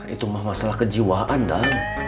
itu mah masalah kejiwaan dah